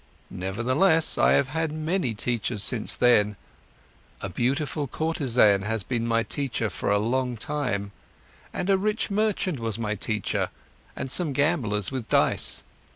Nevertheless, I have had many teachers since then. A beautiful courtesan has been my teacher for a long time, and a rich merchant was my teacher, and some gamblers with dice.